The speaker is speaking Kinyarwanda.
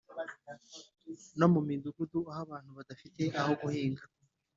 no mu midugudu, aho abantu badafite aho guhinga